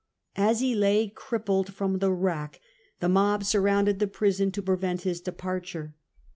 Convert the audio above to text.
As he lay crippled from the rack, the mob surrounded the prison to prevent his departure.